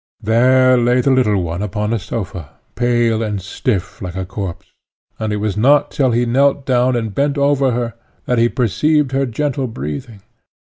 There lay the little one upon a sofa, pale and stiff like a corse; and it was not till he knelt down and bent over her that he perceived her gentle breathing.